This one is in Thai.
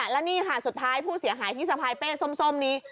และนี่ค่ะสุดท้ายผู้เสียหายที่สะพายเป้ส้มนี้